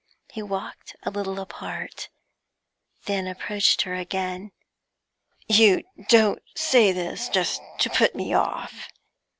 He walked a little apart, then approached her again. 'You don't say this just to put me off?'